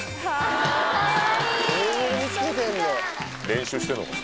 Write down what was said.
練習してんのか。